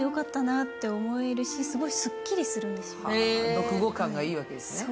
読後感がいいわけですね。